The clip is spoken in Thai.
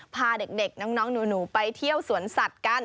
พาเด็กน้องหนูไปเที่ยวสวนสัตว์กัน